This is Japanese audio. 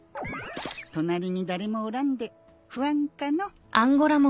隣に誰もおらんで不安かのう？